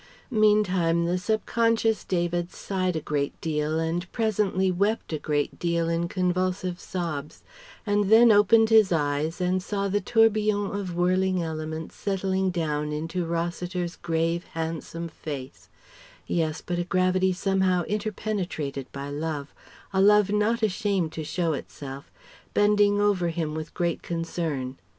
Meantime the sub conscious David sighed a great deal and presently wept a great deal in convulsive sobs, and then opened his eyes and saw the tourbillon of whirling elements settling down into Rossiter's grave, handsome face yes, but a gravity somehow interpenetrated by love, a love not ashamed to show itself bending over him with great concern.